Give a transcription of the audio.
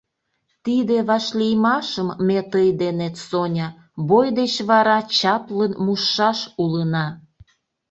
Тиде вашлиймашым ме тый денет, Соня, бой деч вара чаплын мушшаш улына.